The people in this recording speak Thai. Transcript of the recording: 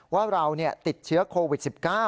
ว่าเราติดเชื้อโควิด๑๙